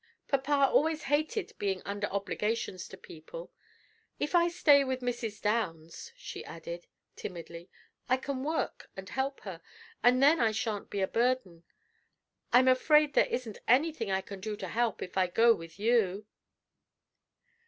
Papa always hated 'being under obligations' to people. If I stay with Mrs. Downs," she added, timidly, "I can work and help her, and then I shan't be a burden. I'm afraid there isn't any thing I can do to help if I go with you."